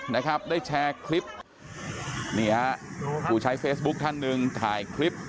นะครับได้แชร์คลิปนี่ฮะผู้ใช้เฟซบุ๊คท่านหนึ่งถ่ายคลิป